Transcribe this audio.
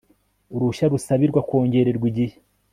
uruhushya rusabirwa kongererwa igihe